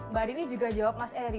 mbak dini juga jawab mas eri